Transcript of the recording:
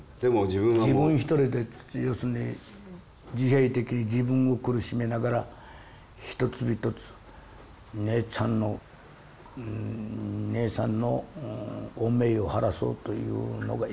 自分一人で要するに自閉的に自分を苦しめながら一つ一つ姉ちゃんの姉さんの汚名を晴らそうというのが。